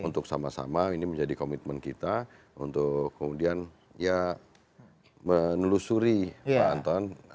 untuk sama sama ini menjadi komitmen kita untuk kemudian ya menelusuri pak anton